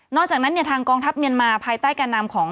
จากนั้นเนี่ยทางกองทัพเมียนมาภายใต้การนำของ